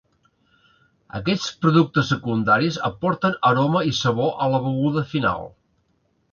Aquests productes secundaris aporten aroma i sabor a la beguda final.